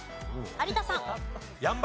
有田さん。